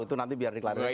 itu nanti biar diklarifikasi